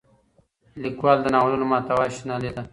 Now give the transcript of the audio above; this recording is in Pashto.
لیکوال د ناولونو محتوا شنلې ده.